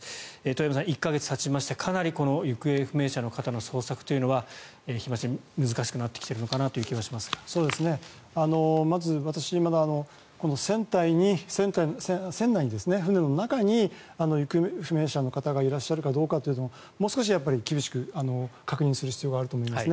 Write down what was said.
遠山さん、１か月たちましてかなり行方不明者の捜索というのは日増しに難しくなってきているのかなという私、船内に船の中に行方不明者の方がいらっしゃるかどうかをもう少し厳しく確認する必要があると思います。